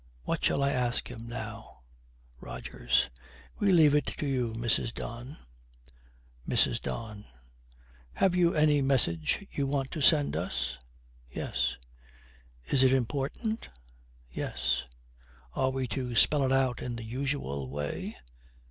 What shall I ask him now?' ROGERS. 'We leave it to you, Mrs. Don.' MRS. DON. 'Have you any message you want to send us? Yes. Is it important? Yes. Are we to spell it out in the usual way?